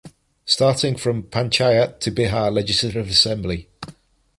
Starting from Panchayat to Bihar legislative Assembly.